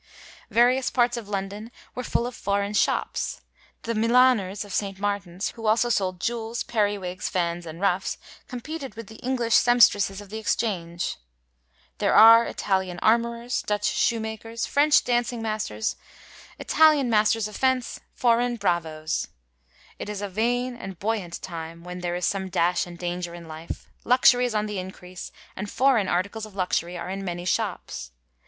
^ Various parts of London were full of foreign shops ; the Milaners of St. Martin's, who also sold jewels, peri wigs, fans and ruffs, competed with the English semp stresses of the Exchange. There are Italian armourers, Dutch shoemakers, French dancing masters, Italian 1 Horn Book, ed. McKerrow, 734. * Tbombury, i. 173. 47 SHAKSPERE'S LONDON: MEN'S DRESS masters of fence, foreign bravoes. It is a vain and buoyant time» when there is some dash and danger in life, luxury is on the increase, and foreign articles of luxury are in many shops.